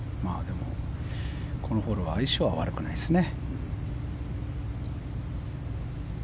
このホールは相性は悪くないですね。